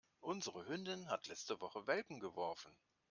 Unsere Hündin hat letzte Woche Welpen geworfen.